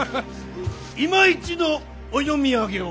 いま一度お読み上げを。